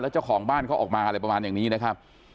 เจ้าของบ้านเขาออกมาอะไรประมาณอย่างนี้นะครับ